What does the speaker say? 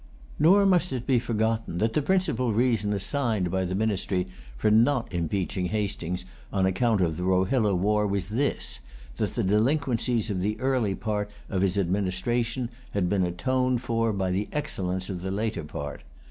Nor must it be forgotten that the principal reason assigned by the ministry for not impeaching Hastings on account of the Rohilla war was this, that the delinquencies of the early part of his administration had been atoned for by the excellence of the later part.